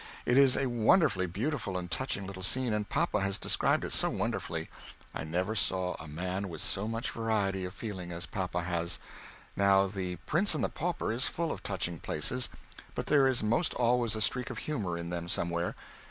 It is a wonderfully beautiful and touching little scene, and papa has described it so wonderfully. I never saw a man with so much variety of feeling as papa has; now the "Prince and the Pauper" is full of touching places; but there is most always a streak of humor in them somewhere.